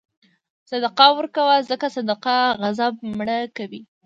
صدقه ورکوه، ځکه صدقه غضب مړه کوي.